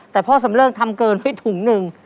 แต่พ่อสำเริกทำเกินไปถุงหนึ่ง